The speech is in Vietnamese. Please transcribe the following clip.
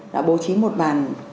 đã bố trí một bàn